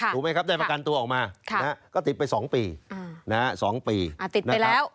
ถูกไหมครับได้ประกันตัวออกมาก็ติดไป๒ปี๒ปีติดไปแล้ว